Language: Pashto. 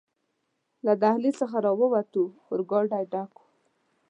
له دهلېز څخه راووتو، اورګاډی ډک و.